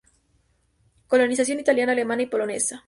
Colonización italiana, alemana y polonesa.